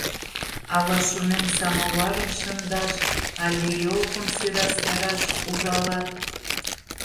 Ала, шонем, самоварым шындаш але ёлкым сӧрастараш ужалат?